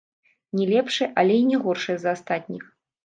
Не лепшая, але і не горшая за астатніх.